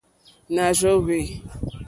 Nà rzóhwè.